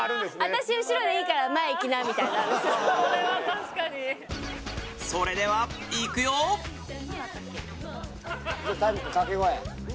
私後ろでいいから前いきなみたいなそれではいくよじゃタイム君